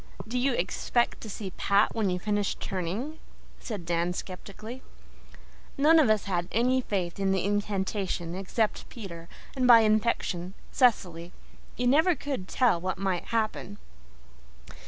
"Do you expect to see Pat when you finish turning?" said Dan skeptically. None of us had any faith in the incantation except Peter, and, by infection, Cecily. You never could tell what might happen.